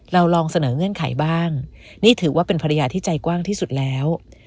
เราลองเสนอเงื่อนไขบ้างนี่ถือว่าเป็นภรรยาที่ใจกว้างที่สุดแล้ว